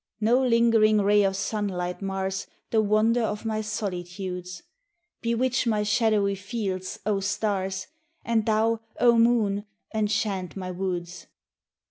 No lingering ray of sunlight mars The wonder of my solitudes. Bewitch my shadowy fields, oh stars, And thou, oh moon, enchant my woods